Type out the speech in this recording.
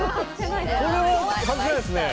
これは外せないですね